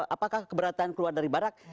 apakah keberatan keluar dari barak